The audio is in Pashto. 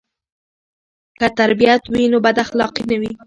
که تربیت وي نو بداخلاقي نه وي.